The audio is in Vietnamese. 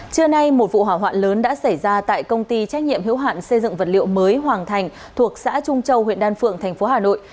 trưa nay một vụ hỏa hoạn lớn đã xảy ra tại công ty trách nhiệm hữu hạn xây dựng vật liệu mới hoàng thành thuộc xã trung châu huyện đan phượng thành phố hà nội